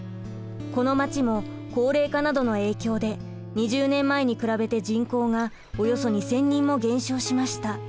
このまちも高齢化などの影響で２０年前に比べて人口がおよそ２，０００人も減少しました。